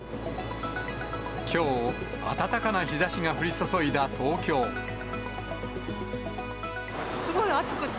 きょう、暖かな日ざしが降りすごい暑くて。